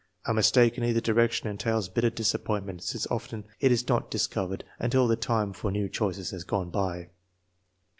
A mistake in either direction entails bitter disappointment, since often it is not dis covered until the time for new choices has gone by.